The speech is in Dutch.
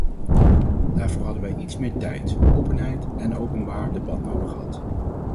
Daarvoor hadden wij iets meer tijd, openheid en openbaar debat nodig gehad.